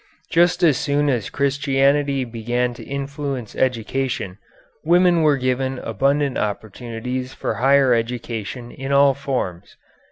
Just as soon as Christianity began to influence education, women were given abundant opportunities for higher education in all forms.